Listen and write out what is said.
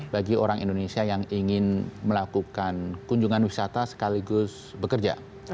bagi orang indonesia yang ingin melakukan kunjungan wisata sekaligus bekerja